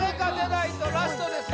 ラストですよ